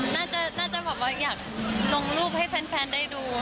น่าจะอยากลงรูปให้แฟนได้ดู